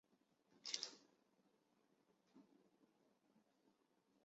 生长因子结合到靶细胞表面的特异受体上。